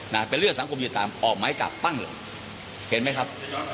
เป็นเรื่องสังคมติดตามออกหมายจับปั้งเหรอเห็นไหมครับ